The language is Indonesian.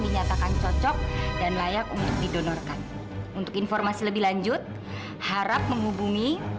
dinyatakan cocok dan layak untuk didonorkan untuk informasi lebih lanjut harap menghubungi